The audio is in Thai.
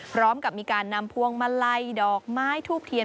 พร้อมกับมีการนำพวงมาลัยดอกไม้ทูบเทียน